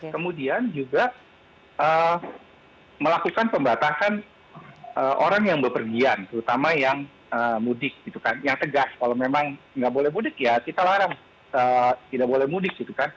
kemudian juga melakukan pembatasan orang yang berpergian terutama yang mudik yang tegas kalau memang tidak boleh mudik ya kita larang tidak boleh mudik